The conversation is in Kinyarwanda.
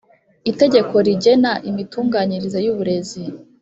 Itegeko rigena imitunganyirize y uburezi